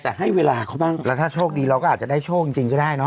แต่ให้เวลาเขาบ้างแล้วถ้าโชคดีเราก็อาจจะได้โชคจริงก็ได้เนอ